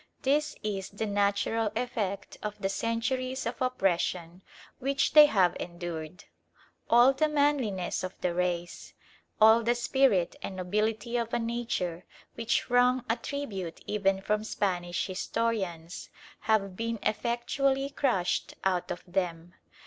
This is the natural effect of the centuries of oppression which they have endured. All the manliness of the race, all the spirit and nobility of a nature which wrung a tribute even from Spanish historians, have been effectually crushed out of them.